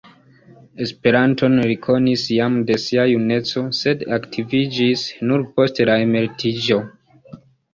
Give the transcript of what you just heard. Esperanton li konis jam de sia juneco, sed aktiviĝis nur post la emeritiĝo.